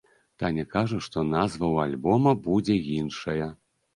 Таня кажа, што назва ў альбома будзе іншая.